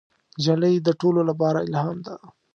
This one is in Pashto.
نجلۍ د ټولو لپاره الهام ده.